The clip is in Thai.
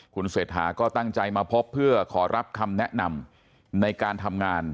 คุณเศรษฐาก็ตั้งใจมาพบเพื่อขอรับคำแนะนำในการทำงาน